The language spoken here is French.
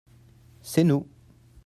c'est nous.